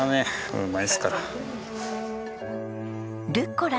うまいですから。